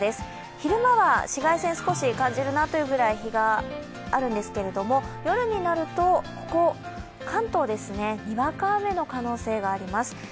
昼間は紫外線少し感じるなというぐらい日があるんですけれども夜になると、関東でにわか雨の可能性があります。